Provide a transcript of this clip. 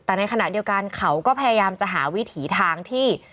แต่ในขณะเดียวกันเขาก็พยายามจะหาวิถีทางที่